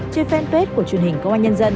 trên fanpage của truyền hình công an nhân dân